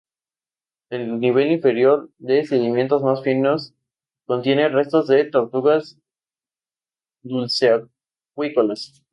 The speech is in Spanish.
El nivel inferior, de sedimentos más finos, contiene restos de tortugas dulceacuícolas.